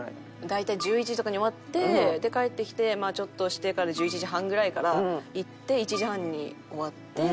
大体１１時とかに終わってで帰ってきてまあちょっとしてから１１時半ぐらいから行って１時半に終わって。